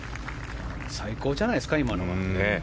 最高じゃないですか今のは。